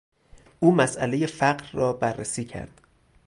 او مسئلهی فقر را بررسی کرد.